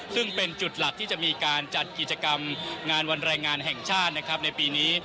ซึ่งเป็นจุดหลักที่จะมีการจัดกิจกรรมงานวันแรงงานแห่งชาตินะครับในปีนี้